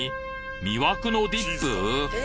魅惑のディップ！」